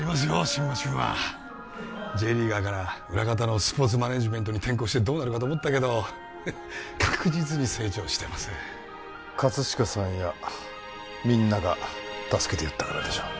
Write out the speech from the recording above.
新町君はＪリーガーから裏方のスポーツマネージメントに転向してどうなるかと思ったけど確実に成長してます葛飾さんやみんなが助けてやったからでしょう